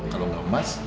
kalau enggak mas